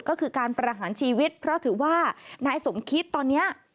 ก็คือการประหารชีวิตเพราะถือว่านายสมคิดตอนนี้